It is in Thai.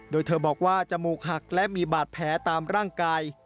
โดยเธอบอกว่าจมูกหักและมีบาดแผลตามร่างกาย